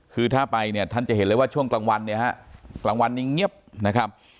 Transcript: คือถ้าไปเนี่ยท่านจะเห็นเลยว่าช่วงกลางวันเนี่ยฮะกลางวันนี้เงียบนะครับ